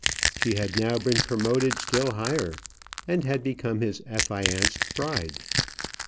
She had now been promoted still higher, and had become his affianced bride.